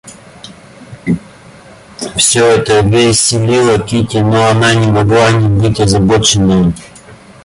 Всё это веселило Кити, но она не могла не быть озабоченною.